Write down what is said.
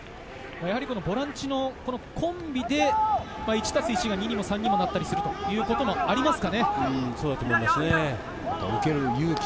ボランチのコンビで、１＋１が２にも３にもなったりすることがありますか。